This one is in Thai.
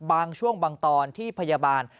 บางช่วงบางตอนที่พยาบาล